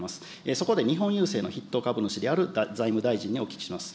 そこで日本郵政の筆頭株主である財務大臣にお聞きします。